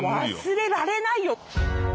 忘れられないよ。